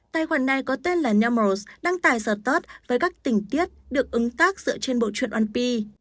tài khoản này có tên là numerals đăng tài sợ tớt với các tình tiết được ứng tác dựa trên bộ truyện một p